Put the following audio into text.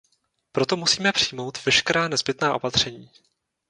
Proto musíme přijmout veškerá nezbytná opatření.